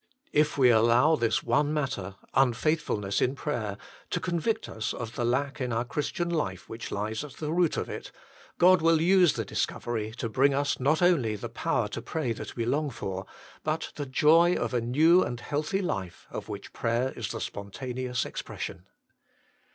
If we allow this one matter, unfaithfulness in prayer, to convict us of the lack in our Christian life which lies at the root of it, God will use the discovery to bring us not only the power to pray that we long for, but the joy of a new and healthy life, of which prayer is the spontaneous expression.